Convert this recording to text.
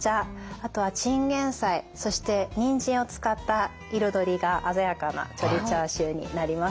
あとはチンゲンサイそしてニンジンを使った彩りが鮮やかな鶏チャーシューになります。